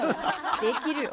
できるよ。